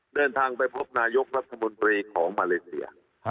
เดินทางไปพบนายกรัฐมนตรีของมาเลเซีย